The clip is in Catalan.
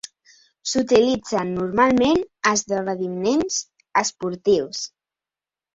S'utilitzen normalment a esdeveniments esportius.